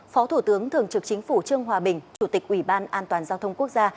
phó thủ tướng thường trực chính phủ trương hòa bình chủ tịch ủy ban an toàn giao thông quốc gia